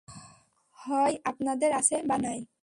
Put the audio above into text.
হয় আপনাদের আছে, বা নাই।